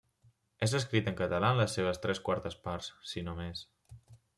És escrit en català en les seves tres quartes parts, si no més.